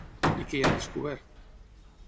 I què hi han descobert?